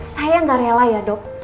saya nggak rela ya dok